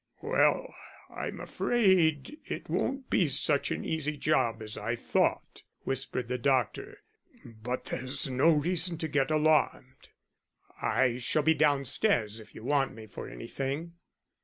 "Well, I'm afraid it won't be such an easy job as I thought," whispered the doctor; "but there's no reason to get alarmed." "I shall be downstairs if you want me for anything."